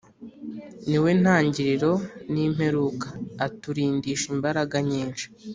Niwe ntangiriro nimperuka aturindisha imbaraga nyinshi